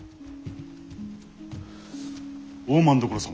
大政所様